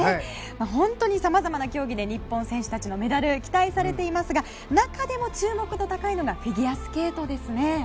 本当にさまざまな競技で日本選手のメダルが期待されていますが中でも注目度が高いのがフィギュアスケートですね。